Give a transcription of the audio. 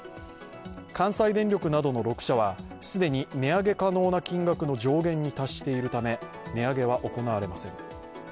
関西電力などの６社は既に値上げ可能な金額の上限に達しているため値上げは行われません。